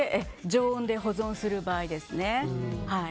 常温で保存する場合ですね。